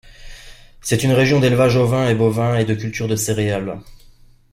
C'est une région d'élevage ovin et bovin et de culture de céréales.